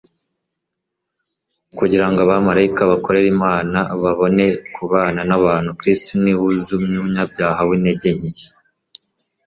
kugira ngw abamaraika bakorerlmana babone kubana nabantu Kristo ni wuhuzumunyabyaha wmtege nke